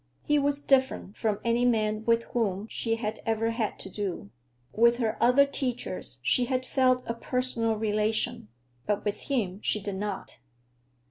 He was different from any man with whom she had ever had to do. With her other teachers she had felt a personal relation; but with him she did not.